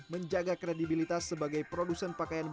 menjaga kredibilitas sebagai pemerintah yang terkenal di dunia ini